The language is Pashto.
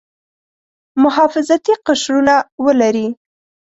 محافظتي قشرونه ولري.